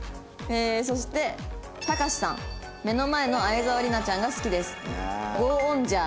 そしてたかしさん目の前の沢りなちゃんが好きです。